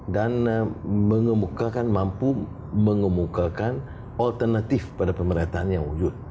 dan mampu mengemukakan alternatif pada pemerintahan yang wujud